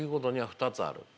２つある。